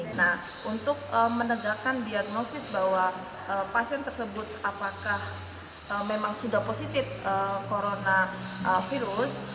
nah untuk menegakkan diagnosis bahwa pasien tersebut apakah memang sudah positif coronavirus